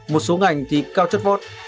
một số ngành thì cao chất vót